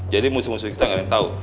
jadi musuh musuh kita gak ada yang tau